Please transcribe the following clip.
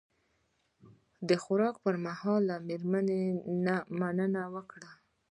د خوراک پر مهال له میرمنې مننه وکړه.